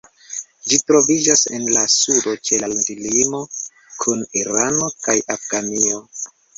Ĝi troviĝas en la sudo, ĉe landlimo kun Irano kaj Afganio.